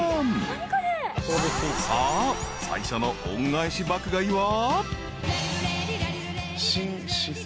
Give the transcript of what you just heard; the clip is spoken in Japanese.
［さあ最初の恩返し爆買いは］